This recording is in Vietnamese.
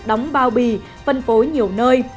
đóng bao bì phân phối nhiều nơi